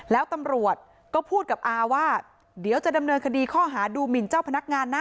แล้วตำรวจก็พูดกับอาว่าเดี๋ยวจะดำเนินคดีข้อหาดูหมินเจ้าพนักงานนะ